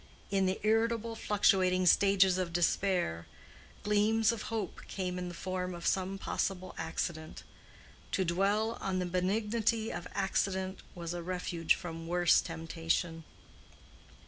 In the irritable, fluctuating stages of despair, gleams of hope came in the form of some possible accident. To dwell on the benignity of accident was a refuge from worse temptation.